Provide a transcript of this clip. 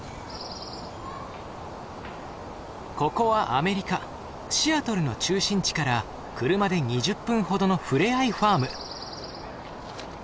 ここはアメリカ・シアトルの中心地から車で２０分ほどの触れ合いファーム。